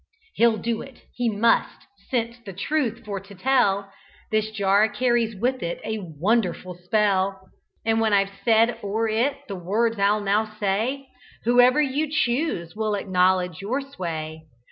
He'll do it he must since, the truth for to tell, This jar carries with it a wonderful spell; And when I've said o'er it the words I'll now say, Whoever you choose will acknowledge your sway.